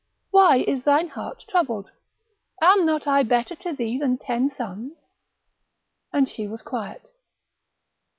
why is thine heart troubled? am not I better to thee than ten sons? and she was quiet.